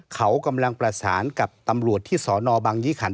เขากำลังประสานกับตำรวจที่สนบังยี่ขัน